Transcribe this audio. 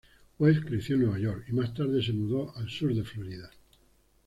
West creció en Nueva York, y más tarde se mudó al Sur de Florida.